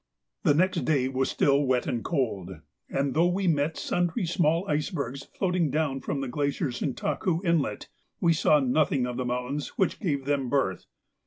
The next day was still wet and cold, and though we met sundry small icebergs floating down from the glaciers in Taku Inlet, we saw nothing of the mountains which gave them birth.